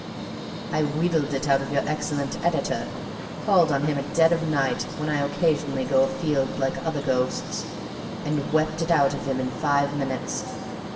"I wheedled it out of your excellent editor; called on him at dead of night, when I occasionally go afield like other ghosts, and wept it out of him in five minutes.